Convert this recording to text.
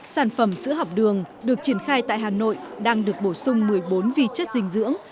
sản phẩm sữa học đường được triển khai tại hà nội đang được bổ sung một mươi bốn vi chất dinh dưỡng